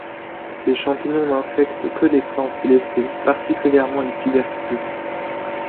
Ces champignons n'infectent que les plantes blessées, particulièrement les tubercules.